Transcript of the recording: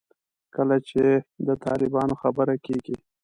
کله چې د طالبانو خبره کېږي.